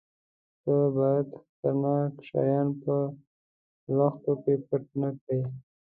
_ته بايد خطرناکه شيان په لښتو کې پټ نه کړې.